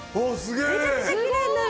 めちゃくちゃきれいになる！